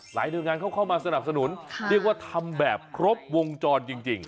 หลายเรื่องงานเข้ามาสนับสนุนเรียกว่าทำแบบครบวงจรจริง